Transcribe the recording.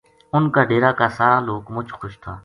اُنھ کا ڈیرا کا سارا لوک مُچ خوش تھا